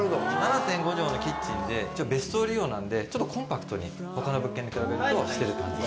７．５帖のキッチンで一応別荘利用なんでちょっとコンパクトに他の物件に比べるとしてる感じ。